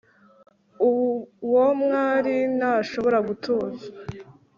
Uwo mwari ntashobora gutuza